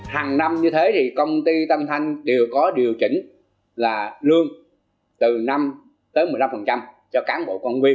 hàng năm như thế thì công ty tân thanh đều có điều chỉnh là lương từ năm tới một mươi năm cho cán bộ công viên